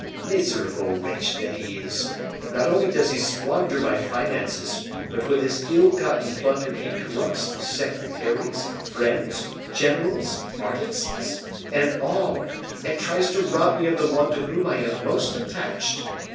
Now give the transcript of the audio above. "Miserable wretch that he is! not only does he squander my finances, but with his ill gotten plunder he corrupts secretaries, friends, generals, artists, and all, and tries to rob me of the one to whom I am most attached.